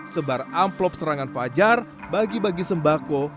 sebar amplop serangan fajar bagi bagi sembako